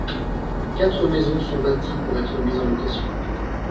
Quatre maisons sont bâties pour être mises en location.